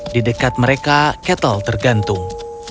di dekat mereka ketel tergantung